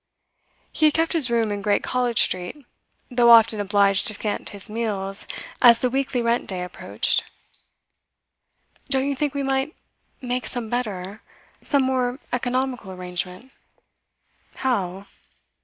He had kept his room in Great College Street, though often obliged to scant his meals as the weekly rent day approached. 'Don't you think we might make some better some more economical arrangement?' 'How?